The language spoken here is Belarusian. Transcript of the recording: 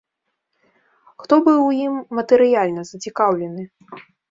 Хто быў у ім матэрыяльна зацікаўлены?